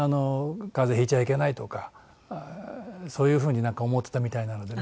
風邪引いちゃいけないとかそういう風になんか思ってたみたいなのでね。